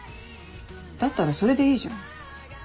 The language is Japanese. だったらそれでいいじゃん。